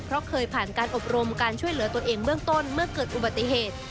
เพราะเคยผ่านการอบรมการช่วยเหลือตัวเองเบื้องต้นเมื่อเกิดอุบัติเหตุ